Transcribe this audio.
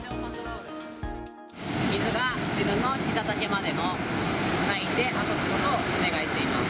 水が自分のひざ丈までのラインで遊ぶことをお願いしています。